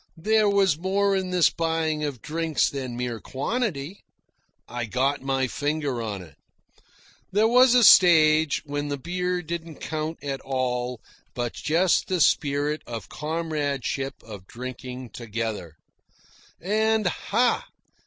There was more in this buying of drinks than mere quantity. I got my finger on it. There was a stage when the beer didn't count at all, but just the spirit of comradeship of drinking together. And, ha!